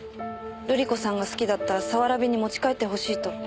瑠璃子さんが好きだった早蕨に持ち帰ってほしいと。